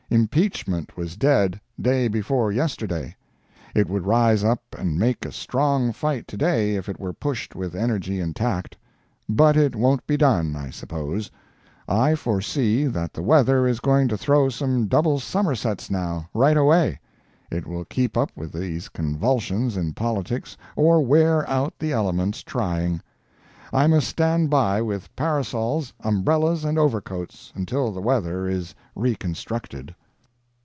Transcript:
Impeachment was dead, day before yesterday. It would rise up and make a strong fight to day if it were pushed with energy and tact. But it won't be done, I suppose. I foresee that the weather is going to throw some double summersets, now, right away. It will keep up with these convulsions in politics or wear out the elements trying. I must stand by with parasols, umbrellas and overcoats until the weather is reconstructed.